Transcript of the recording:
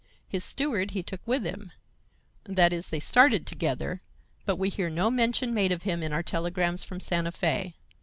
His steward he took with him,—that is, they started together. But we hear no mention made of him in our telegrams from Santa Fe.